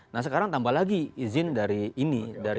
nah sekarang tambah lagi izin dari ini